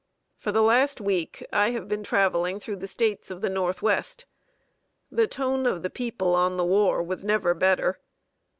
For the last week I have been traveling through the States of the Northwest. The tone of the people on the war was never better.